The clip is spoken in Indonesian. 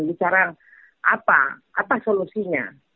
bicara apa apa solusinya